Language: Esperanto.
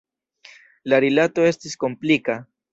La rilato estis komplika.